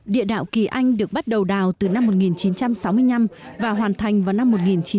địa đạo kỳ anh được bắt đầu đào từ năm một nghìn chín trăm sáu mươi năm và hoàn thành vào năm một nghìn chín trăm bảy mươi